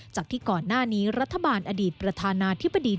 จากที่ก่อนหน้านี้รัฐบาลอดีตประธานาธิบดี